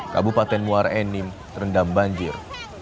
kabupaten muara enim terendam banjir